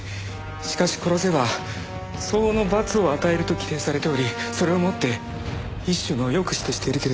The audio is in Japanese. しかし殺せば相応の罰を与えると規定されておりそれをもって一種の抑止としているけれど。